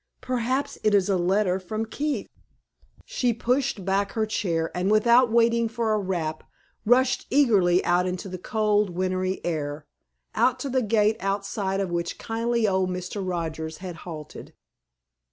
Perhaps it is a letter from Keith!" She pushed back her chair, and without waiting for a wrap, rushed eagerly out into the cold, wintry air out to the gate outside of which kindly old Mr. Rogers had halted.